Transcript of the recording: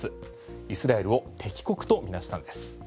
イスラエルを敵国と見なしたんです。